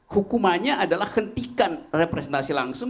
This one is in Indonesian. hukumannya adalah hentikan representasi langsung